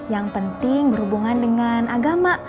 yang penting berhubungan dengan agama